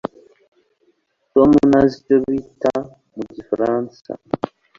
tom ntazi icyo bita mu gifaransa